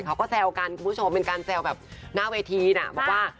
เขาก็แซวกันคุณผู้ชมเป็นการแซวแบบหน้าเวทีน่ะบอกว่า